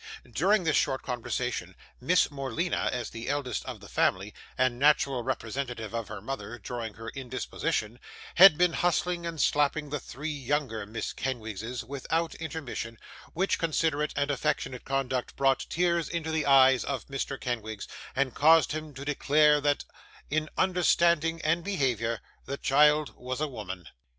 During this short conversation, Miss Morleena, as the eldest of the family, and natural representative of her mother during her indisposition, had been hustling and slapping the three younger Miss Kenwigses, without intermission; which considerate and affectionate conduct brought tears into the eyes of Mr. Kenwigs, and caused him to declare that, in understanding and behaviour, that child was a woman.